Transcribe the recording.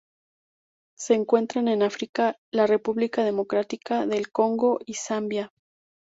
Se encuentran en África: la República Democrática del Congo y Zambia.